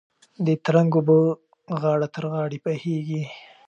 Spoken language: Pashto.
د ترنګ اوبه غاړه تر غاړې بهېږي.